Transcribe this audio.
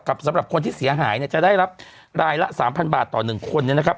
กับสำหรับคนที่เสียหายจะได้รับรายละ๓๐๐๐บาทต่อ๑คนนะครับ